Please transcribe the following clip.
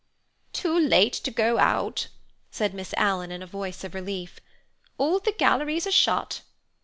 "Too late to go out," said Miss Alan in a voice of relief. "All the galleries are shut."